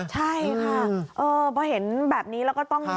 ใช่ค่ะพอเห็นแบบนี้แล้วก็ต้อง